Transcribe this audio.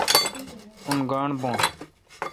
اون گاݨڈ بھو۔